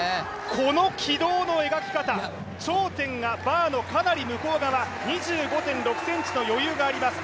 この軌道の描き方、頂点がバーのかなり向こう側２５．６ｃｍと余裕があります。